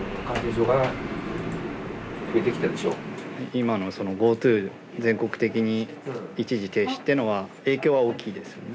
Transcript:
今のそのＧｏＴｏ全国的に一時停止っていうのは影響は大きいですよね。